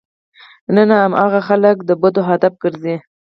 نن هماغه خلک د بدو هدف ګرځي.